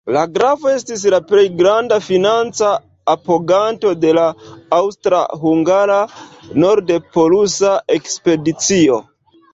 La grafo estis la plej granda financa apoganto de la aŭstra-hungara nord-polusa ekspedicio.